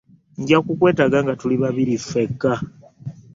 Nja kukwetaagamu nga tuli babiri ffekka.